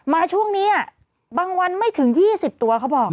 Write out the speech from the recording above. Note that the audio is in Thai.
มาช่วงนี้บางวันไม่ถึง๒๐ตัวเขาบอก